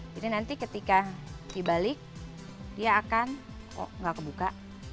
jadi nanti ketika dibalik dia akan oh enggak kebuka